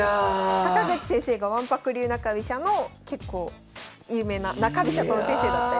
阪口先生がわんぱく流中飛車の結構有名な中飛車党の先生だったり。